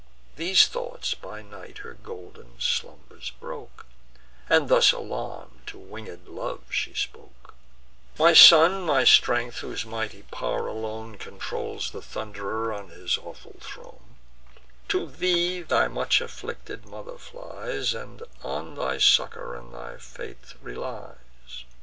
These thoughts by night her golden slumbers broke, And thus alarm'd, to winged Love she spoke: "My son, my strength, whose mighty pow'r alone Controls the Thund'rer on his awful throne, To thee thy much afflicted mother flies, And on thy succour and thy faith relies.